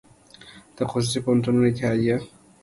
د خصوصي پوهنتونونو اتحادیه